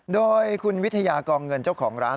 โดยคุณวิทยากองเงินเจ้าของร้าน